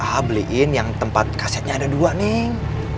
a beliin yang tempat kasetnya ada dua neng